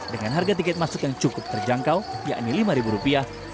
dengan harga tiket masuk yang cukup terjangkau yakni lima rupiah